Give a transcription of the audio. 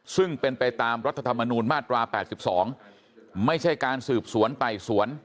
ซึ่งเป็นไปตามรัฐธรรมนูญมาตรา๘๒ไม่ใช่การสืบสวนไต่สวน